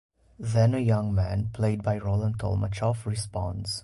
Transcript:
Then a young man, played by Roland Tolmatchoff, responds.